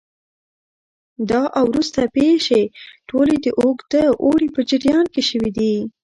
دا او وروسته پېښې ټولې د اوږده اوړي په جریان کې شوې دي